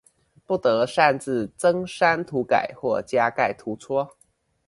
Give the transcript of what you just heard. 不得擅自增刪塗改或加蓋圖戳